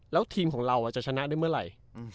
แล้วทีมของเราจะชนะได้เมื่อไหร่